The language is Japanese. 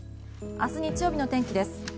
明日日曜日の天気です。